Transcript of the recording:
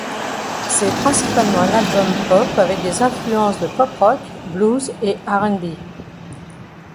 C'est principalement un album Pop avec des influences de pop rock, blues et R&B.